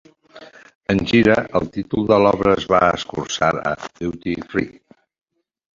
En gira, el títol de l'obra es va escurçar a 'Duty Free'.